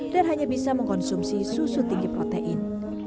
dan hanya bisa mengkonsumsi susu tinggi protein